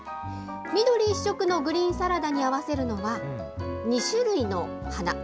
緑一色のグリーンサラダに合わせるのは、２種類の花。